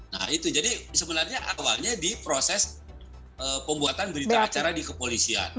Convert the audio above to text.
nah itu jadi sebenarnya awalnya di proses pembuatan berita acara di kepolisian